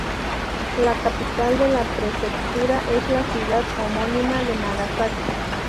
La capital de la prefectura es la ciudad homónima de Nagasaki.